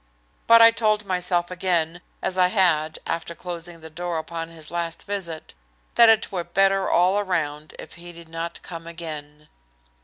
But I told myself again, as I had after closing the door upon his last visit, that it were better all around if he did not come again.